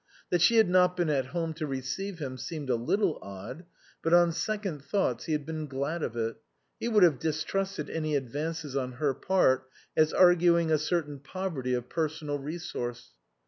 That she had not been at home to receive him seemed a little odd, but on second thoughts he had been glad of it. He would have distrusted any advances on her part as arguing a certain poverty of personal resource.